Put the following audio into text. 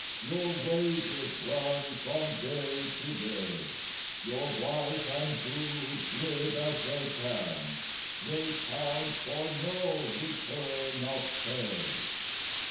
Your wages run from day to day, Your wife and brood live as they can; They count for no return of pay.